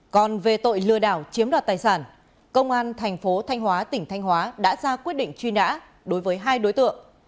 còn về tội lừa đảo chiếm đoạt tài sản công an thành phố thanh hóa tỉnh thanh hóa đã ra quyết định truy nã đối với hai đối tượng